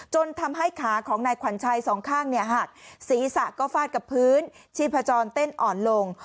จนทำให้ขาของนายขวัญชัยสองข้างหักศีรษะก็ฟาดกับพื้นชีพจรเต้นอ่อนลง